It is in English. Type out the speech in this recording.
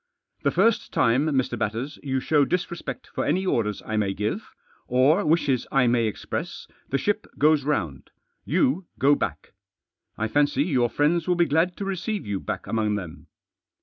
"The first time, Mr. Batters, you show disrespect for any orders I may give, or wishes I may express, the ship goes round — you go back. I fancy your friends will be glad to receive you back among them."